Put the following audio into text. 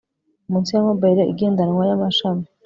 Munsi ya mobile igendanwa yamashami